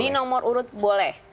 di nomor urut boleh